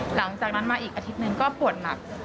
หลังจากนั้นมาอีกอาทิตย์หนึ่งก็ปวดหนัก